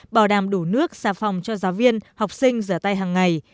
bảo đảm đủ nước xà phòng cho giáo viên học sinh giở tay hàng ngày